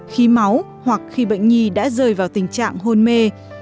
khi máu hoặc khi bệnh nhi đã rơi vào tình trạng hôn mê